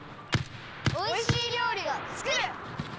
おいしいりょうりをつくる！